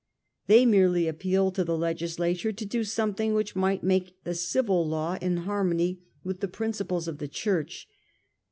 They merely appealed to the Legislature to do something which might make the civil law in harmony with the principles of the Church.